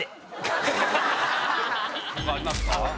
他ありますか？